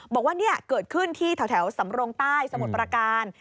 บอกว่าเนี่ยเกิดขึ้นที่แถวสำรงใต้สมุทรประการ